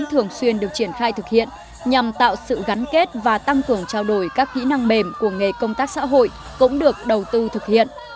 thường xuyên được triển khai thực hiện nhằm tạo sự gắn kết và tăng cường trao đổi các kỹ năng mềm của nghề công tác xã hội cũng được đầu tư thực hiện